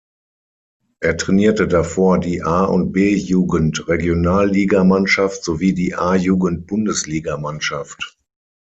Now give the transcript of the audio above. Er trainierte davor die A- und B-Jugend-Regionalligamannschaft, sowie die A-Jugend-Bundesligamannschaft.